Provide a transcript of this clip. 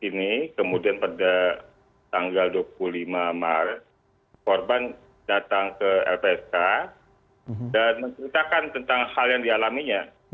ini kemudian pada tanggal dua puluh lima maret korban datang ke lpsk dan menceritakan tentang hal yang dialaminya